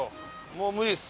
もう無理です。